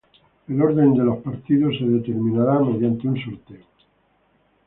El orden de los partidos se determinará mediante un sorteo.